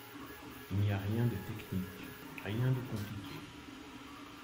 Il n'y a rien de technique, rien de compliqué.